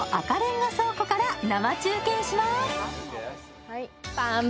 会場の赤レンガ倉庫から生中継します。